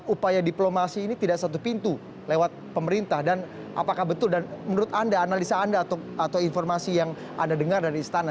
upaya diplomasi ini tidak satu pintu lewat pemerintah dan apakah betul dan menurut anda analisa anda atau informasi yang anda dengar dari istana